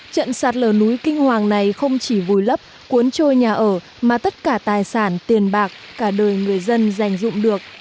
trận sạt lở núi kinh hoàng này không chỉ vùi lấp cuốn trôi nhà ở mà tất cả tài sản tiền bạc cả đời người dân giành dụng được